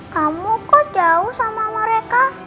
kamu kok jauh sama mereka